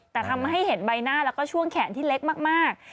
แต่ทำให้เห็นใบหน้าแล้วก็ช่วงแขนที่เล็กมาก